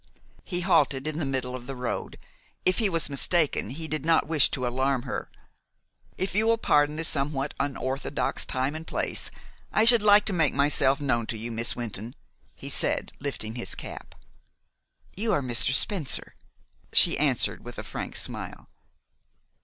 He halted in the middle of the road. If he was mistaken, he did not wish to alarm her. "If you will pardon the somewhat unorthodox time and place, I should like to make myself known to you, Miss Wynton," he said, lifting his cap. "You are Mr. Spencer?" she answered, with a frank smile.